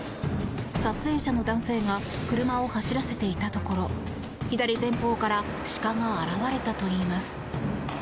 撮影者の男性が車を走らせていたところ左前方から鹿が現れたといいます。